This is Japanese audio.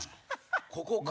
ここか。